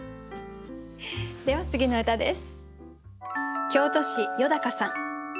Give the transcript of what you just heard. では次の歌です。